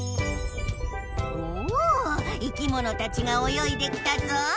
おお生きものたちがおよいできたぞ。